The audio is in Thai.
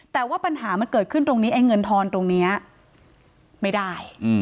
แต่ว่าปัญหามันเกิดขึ้นตรงนี้ไอ้เงินทอนตรงนี้ไม่ได้